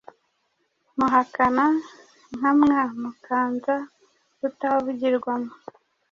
Muhakana-nkamwa, Mukanza utavugirwamo